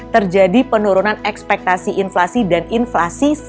terjadi penurunan ekspektasi inflasi dan inflasi